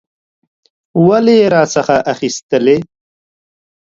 ولي یې راڅخه اخیستلې؟